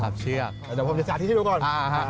เดี๋ยวผมจะจัดที่ดูก่อน